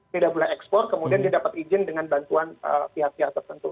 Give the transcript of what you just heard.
tidak boleh ekspor kemudian dia dapat izin dengan bantuan pihak pihak tertentu